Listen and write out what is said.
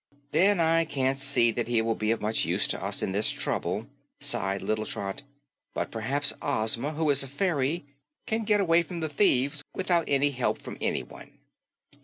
"Then I can't see that he will be of much use to us in this trouble," sighed little Trot. "But p'raps Ozma, who is a fairy, can get away from the thieves without any help from anyone."